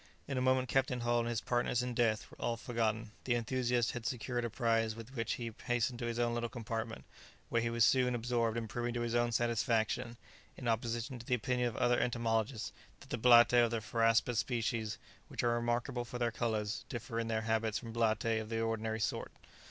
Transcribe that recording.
In a moment Captain Hull and his partners in death were all forgotten; the enthusiast had secured a prize with which he hastened to his own little compartment, where he was soon absorbed in proving to his own satisfaction, in opposition to the opinion of other entomologists, that the blattae of the phoraspous species, which are remarkable for their colours, differ in their habits from blattae of the ordinary sort.